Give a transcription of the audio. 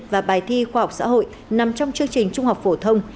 và bài thi khoa học xã hội nằm trong chương trình trung học phổ thông